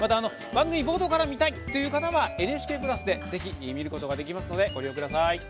番組冒頭から見たいという方はＮＨＫプラスで見ることができますのでご利用ください。